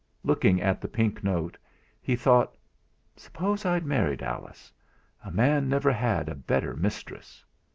Looking at the pink note, he thought: 'Suppose I'd married Alice a man never had a better mistress!'